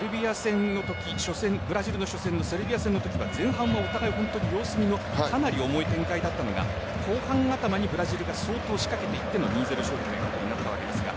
初戦ブラジルの初戦セルビア戦のときは前半は本当にお互い様子見のかなり重い展開だったのが後半頭にブラジルが相当仕掛けていっての２対０勝利になりました。